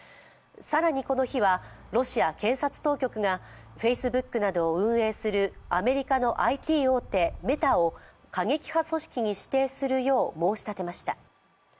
更にこの日はロシア警察当局がＦａｃｅｂｏｏｋなどを運営するアメリカのＩＴ大手メタを過激派組織に指定するよう申し立てました。